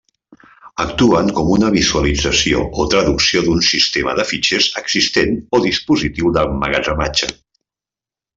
Actuen com una visualització o traducció d'un sistema de fitxers existent o dispositiu d'emmagatzematge.